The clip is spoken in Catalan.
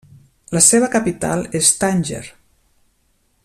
La seva capital és Tànger.